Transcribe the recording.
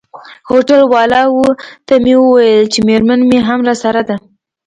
هوټل والاو ته مې وویل چي میرمن مي هم راسره ده.